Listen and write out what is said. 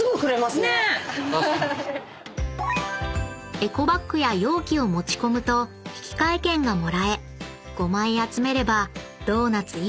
［エコバッグや容器を持ち込むと引換券がもらえ５枚集めればドーナツ１個が無料に］